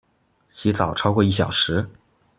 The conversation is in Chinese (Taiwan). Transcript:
洗澡超過一小時